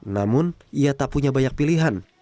namun ia tak punya banyak pilihan